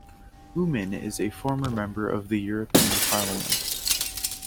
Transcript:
Oomen is a former Member of the European Parliament.